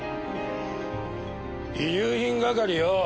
遺留品係よお。